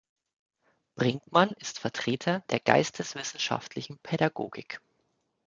Brinkmann ist Vertreter der geisteswissenschaftlichen Pädagogik.